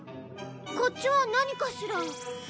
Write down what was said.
こっちは何かしら？